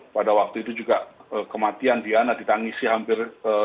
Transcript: pada waktu itu juga kematian diana ditangisi hampir